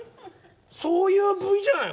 そういうＶじゃない。